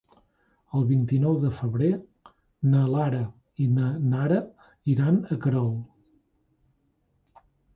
El vint-i-nou de febrer na Lara i na Nara iran a Querol.